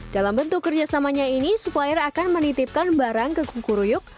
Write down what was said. dalam bentuk kerjasamanya ini supplier akan menitipkan barang ke kuku ruyuk